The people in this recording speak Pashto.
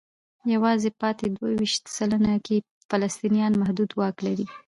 یوازې پاتې دوه ویشت سلنه کې فلسطینیان محدود واک لري.